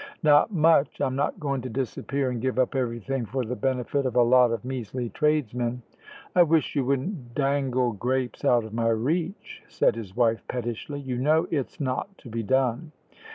"Not much. I'm not going to disappear and give up everything for the benefit of a lot of measly tradesmen." "I wish you wouldn't dangle grapes out of my reach," said his wife, pettishly; "you know it's not to be done."